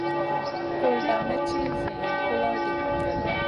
Kulda may ci ziyn kulo ɗi.